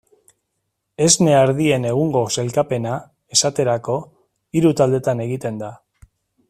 Esne ardien egungo sailkapena, esaterako, hiru taldetan egiten da.